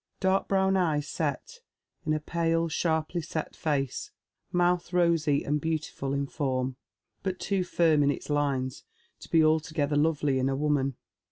Dark brown eyes set in a pale, shai ply set face ; mouth rosy and beautiful in fonn, but too fiiTn in its lines to be altogether lovely in a woman.